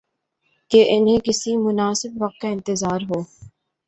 کہ انہیں کسی مناسب وقت کا انتظار ہو۔